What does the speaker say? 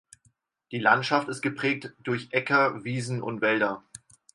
Die Landschaft ist geprägt durch Äcker, Wiesen und Wälder.